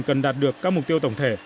cần đạt được các mục tiêu tổng thể